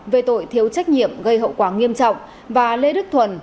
về tội thiếu trách nhiệm gây hậu quả nghiêm trọng và lê đức thuần